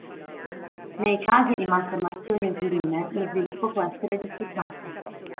Nei casi di malformazioni uterine lo sviluppo può essere disturbato.